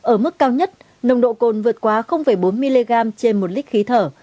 ở mức cao nhất nồng độ cồn vượt quá bốn mg trên một lít khí thở